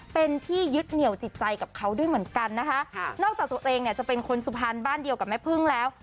เป็นที่ยึดเหนี่ยวจิตใจกับเขาด้วยเหมือนกันนะคะนอกจากตัวเองเนี่ยจะเป็นคนสุพรรณบ้านเดียวกับแม่พึ่งแล้ว